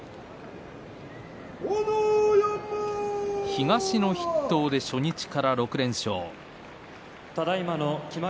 東の筆頭で初日から６連勝。